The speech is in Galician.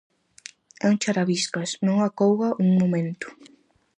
É un charabiscas, non acouga un momento.